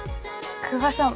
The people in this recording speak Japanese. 久我さん